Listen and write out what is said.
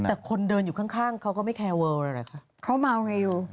แต่คนเดินอยู่ข้างเขาก็ไม่แคร์เวิร์ดอะไรคะ